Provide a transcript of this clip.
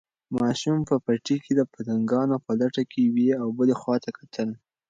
ماشوم په پټي کې د پتنګانو په لټه کې یوې او بلې خواته کتل.